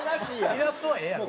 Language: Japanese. イラストはええやろ。